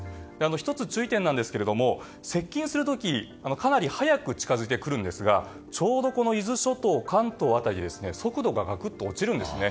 １つ注意点なんですけども接近する時かなり早く近づいてくるんですがちょうど伊豆諸島、関東辺りで速度がガクッと落ちるんですね。